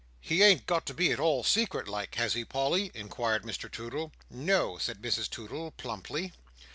"He ain't got to be at all secret like—has he, Polly?" inquired Mr Toodle. "No!" said Mrs Toodle, plumply.